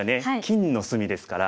金の隅ですから。